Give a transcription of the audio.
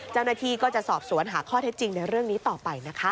เจ้าหน้าที่ก็จะสอบสวนหาข้อเท็จจริงในเรื่องนี้ต่อไปนะคะ